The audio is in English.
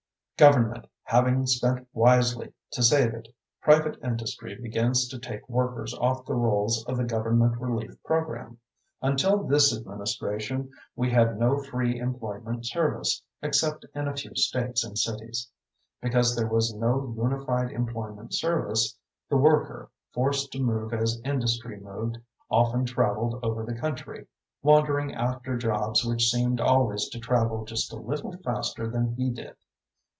Government having spent wisely to save it, private industry begins to take workers off the rolls of the government relief program. Until this administration we had no free employment service, except in a few states and cities. Because there was no unified employment service, the worker, forced to move as industry moved, often travelled over the country, wandering after jobs which seemed always to travel just a little faster than he did.